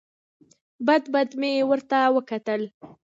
بد بد مې ورته وکتل.